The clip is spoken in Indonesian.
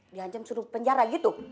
diancam suruh penjara gitu